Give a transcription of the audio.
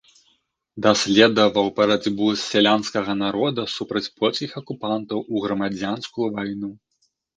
Даследаваў барацьбу сялянскага народа супраць польскіх акупантаў у грамадзянскую вайну.